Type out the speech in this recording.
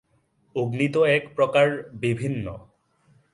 অগ্নি তো এক, প্রকার বিভিন্ন।